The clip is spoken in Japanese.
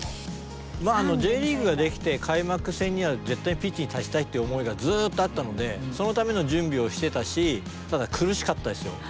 まあＪリーグができて開幕戦には絶対ピッチに立ちたいっていう思いがずっとあったのでそのための準備をしてたしただ苦しかったですよ。